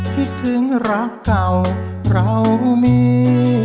คิดถึงรักเก่าเรามี